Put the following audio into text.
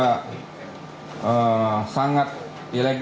dekat dekatnya itu pasti seimbang